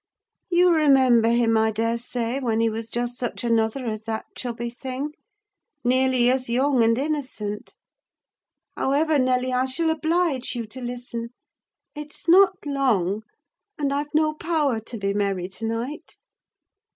You remember him, I daresay, when he was just such another as that chubby thing: nearly as young and innocent. However, Nelly, I shall oblige you to listen: it's not long; and I've no power to be merry to night."